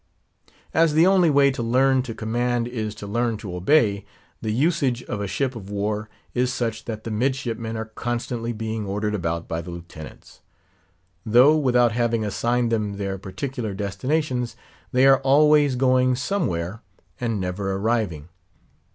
As the only way to learn to command, is to learn to obey, the usage of a ship of war is such that the midshipmen are constantly being ordered about by the Lieutenants; though, without having assigned them their particular destinations, they are always going somewhere, and never arriving.